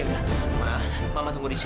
nggak ada dewi